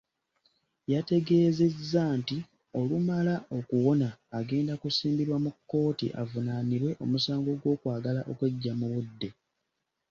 Yategeezezza nti olumala okuwona agenda kusimbibwa mu kkooti avunaanibwe omusango gw'okwagala okweggya mu budde.